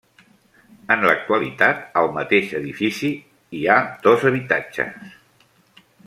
En l'actualitat al mateix edifici, hi ha dos habitatges.